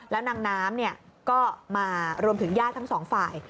แล้วนางน้ำก็มารวมถึงญาติทั้งสองฝ่าย